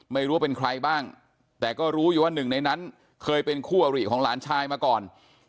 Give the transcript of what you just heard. ไม่รู้ว่าเป็นใครบ้างแต่ก็รู้อยู่ว่าหนึ่งในนั้นเคยเป็นคู่อริของหลานชายมาก่อน